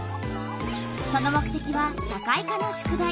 その目てきは社会科の宿題。